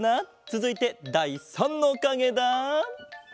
つづいてだい３のかげだ。